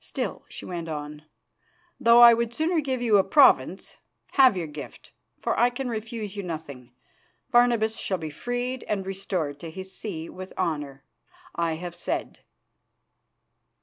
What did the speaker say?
Still," she went on, "though I would sooner give you a province, have your gift, for I can refuse you nothing. Barnabas shall be freed and restored to his see with honour. I have said."